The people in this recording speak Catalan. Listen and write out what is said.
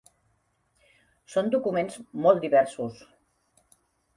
Són documents molt diversos.